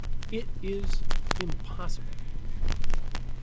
It is impossible.